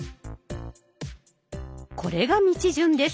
これが道順です。